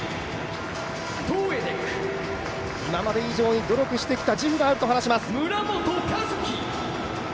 今まで以上に努力してきた自負があると話します。